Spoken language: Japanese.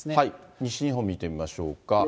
西日本見てみましょうか。